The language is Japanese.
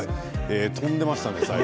飛んでいましたね、最後。